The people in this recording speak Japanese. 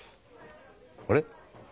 あれ？